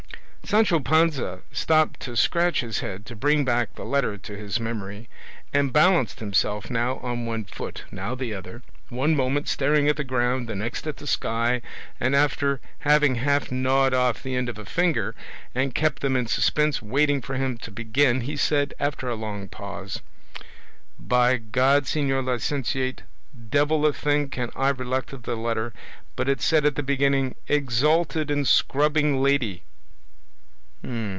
Sancho Panza stopped to scratch his head to bring back the letter to his memory, and balanced himself now on one foot, now the other, one moment staring at the ground, the next at the sky, and after having half gnawed off the end of a finger and kept them in suspense waiting for him to begin, he said, after a long pause, "By God, señor licentiate, devil a thing can I recollect of the letter; but it said at the beginning, 'Exalted and scrubbing Lady.